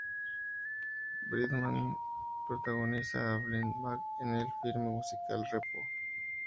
Brightman protagoniza a Blind Mag en el filme musical "Repo!